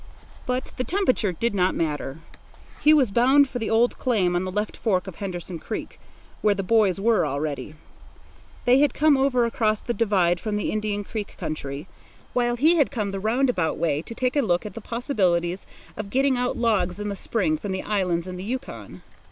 But the temperature did not matter. He was bound for the old claim on the left fork of Henderson Creek, where the boys were already. They had come over across the divide from the Indian Creek country, while he had come the roundabout way to take a look at the possibilities of getting out logs in the spring from the islands in the Yukon.